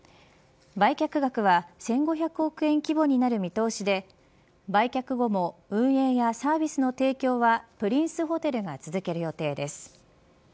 売却額は１５００億円規模になる見通しで売却後も運営やサービスの提供はプリンスホテルが続ける予定です。